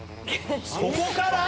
そこから？